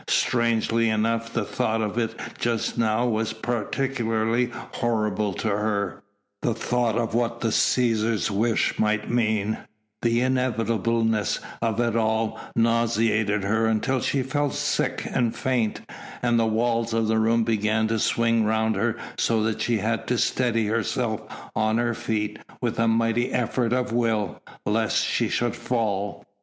Strangely enough the thought of it just now was peculiarly horrible to her the thought of what the Cæsar's wish might mean the inevitableness of it all nauseated her until she felt sick and faint, and the walls of the room began to swing round her so that she had to steady herself on her feet with a mighty effort of will, lest she should fall.